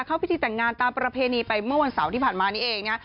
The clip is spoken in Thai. เข้าพิธีแต่งงานตามประเพณีไปเมื่อวันเสาร์ที่ผ่านมานี้เองนะฮะ